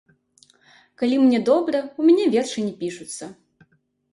Калі мне добра, у мяне вершы не пішуцца.